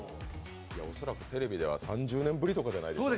恐らくテレビでは３０年ぶりとかじゃないですか。